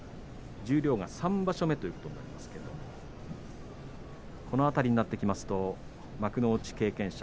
十両が３場所目ということですけれどもこの辺りになってきますと幕内経験者